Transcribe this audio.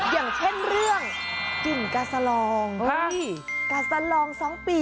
อย่างเช่นเรื่องกินกาซาลอง